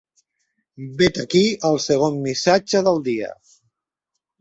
Vet aquí el segon missatge del dia.